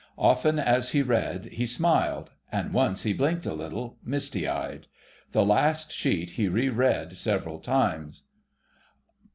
Often as he read he smiled, and once he blinked a little, misty eyed. The last sheet he re read several times.